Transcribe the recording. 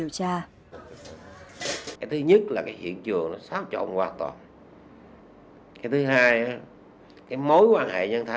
cơ quan điều tra